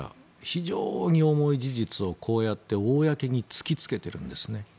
非常に重い事実をこうやって公に突きつけているんですね。